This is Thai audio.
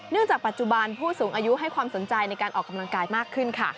จากปัจจุบันผู้สูงอายุให้ความสนใจในการออกกำลังกายมากขึ้นค่ะ